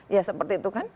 ya seperti itu kan